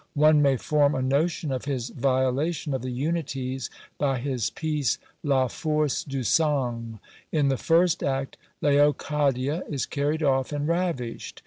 One may form a notion of his violation of the unities by his piece "La Force du Sang." In the first act Leocadia is carried off and ravished.